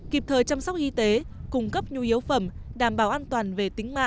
kịp thời chăm sóc y tế cung cấp nhu yếu phẩm đảm bảo an toàn về tính mạng